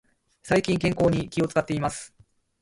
最近、健康に気を使っています。